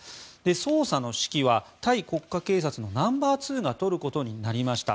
捜査の指揮はタイ国家警察のナンバーツーが執ることになりました。